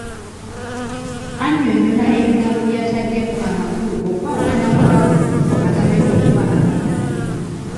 Annyonnyola ebigambo by’ataddemu amakulu okwawukana ku ago agamanyiddwa abalala.